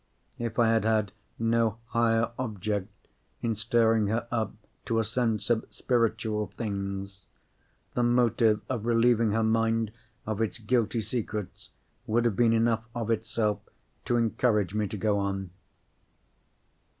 If I had had no higher object in stirring her up to a sense of spiritual things, the motive of relieving her mind of its guilty secrets would have been enough of itself to encourage me to go on.